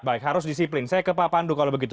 baik harus disiplin saya ke pak pandu kalau begitu